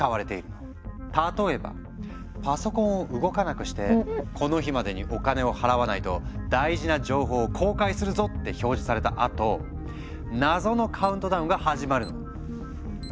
例えばパソコンを動かなくして「この日までにお金を払わないと大事な情報を公開するぞ！」って表示されたあと謎のカウントダウンが始まるの。